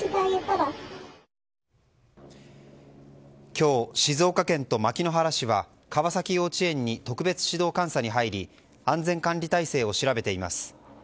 今日、静岡県と牧之原市は川崎幼稚園に特別指導監査に入り安全管理体制を調べています。